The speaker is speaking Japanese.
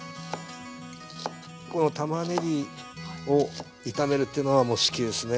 このたまねぎを炒めるっていうのはもう好きですね。